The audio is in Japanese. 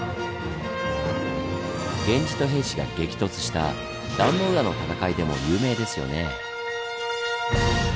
源氏と平氏が激突した「壇ノ浦の戦い」でも有名ですよねぇ。